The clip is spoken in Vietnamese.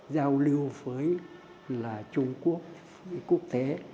giao lưu với trung quốc quốc tế